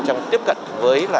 trong tiếp cận với